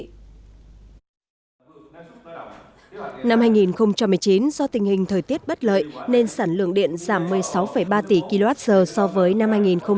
năm hai nghìn một mươi chín do tình hình thời tiết bất lợi nên sản lượng điện giảm một mươi sáu ba tỷ kwh so với năm hai nghìn một mươi tám